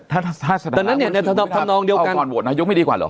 ถ้าดังนั้นเนี่ยทำนองเดียวกันก่อนโหวตนายกไม่ดีกว่าเหรอ